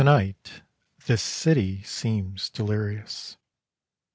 TO NIGHT this city seems delirious.